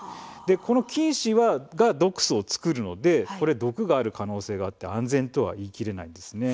菌糸が毒素を作るので毒がある可能性があるので安全とは言い切れないんです。